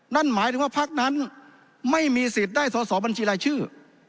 นั่นหมายถึงว่าพักนั้นไม่มีสิทธิ์ได้สอสอบัญชีรายชื่อ